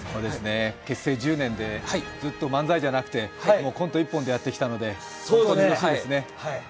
結成１０年で、ずっと漫才じゃなくてコント一本でやってきたので本当にうれしいですね。